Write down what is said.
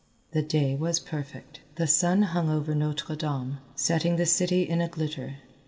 The day was perfect. The sun hung over Notre Dame, setting the city in a glitter.